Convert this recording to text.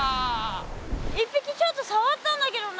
１ぴきちょっとさわったんだけどな。